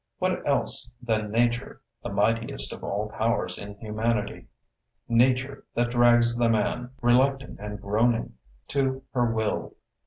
What else than Nature, the mightiest of all powers in humanity? Nature, that drags the man, reluctant and groaning, to her will.